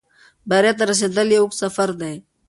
بریا ته رسېدل یو اوږد سفر دی.